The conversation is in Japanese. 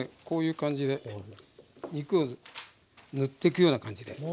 こういう感じで肉を塗っていくような感じで。